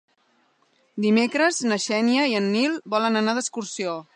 Dimecres na Xènia i en Nil volen anar d'excursió.